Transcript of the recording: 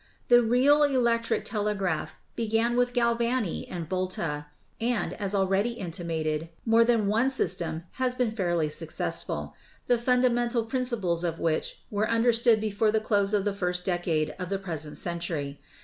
The real electric telegraph began with Galvani and Volta, and, as already intimated, more than one system has been fairly successful, the fundamental principles of which were understood before the close of the first decade of the present century.